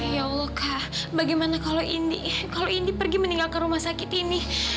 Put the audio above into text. ya allah kak bagaimana kalau indi pergi meninggal ke rumah sakit ini